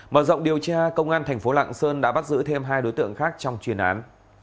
mở rộng điều tra công an thành phố lạng sơn đã bắt giữ thêm hai đối tượng khác trong chuyên án